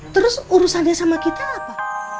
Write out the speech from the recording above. terus urusannya sama kita apa